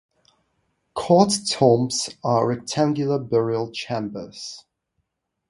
Court tombs are rectangular burial chambers.